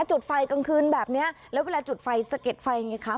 จุดไฟกลางคืนแบบนี้แล้วเวลาจุดไฟสะเก็ดไฟไงคะ